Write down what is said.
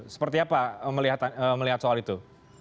seperti apa melihat soal itu